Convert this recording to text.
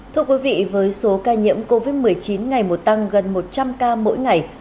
thưa quý vị với số ca nhiễm covid một mươi chín ngày một tăng gần một trăm linh ca mỗi ngày